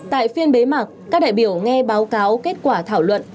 tại phiên bế mạc các đại biểu nghe báo cáo kết quả thảo luận